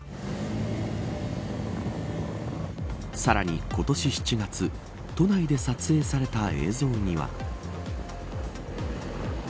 さらに今年７月都内で撮影された映像には。